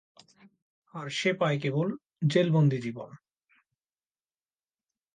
আর সে পায় কেবল জেলবন্দী জীবন।